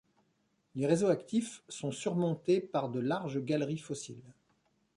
Les réseaux actifs son surmontés par de larges galeries fossiles.